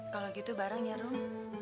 kalau gitu bareng ya rum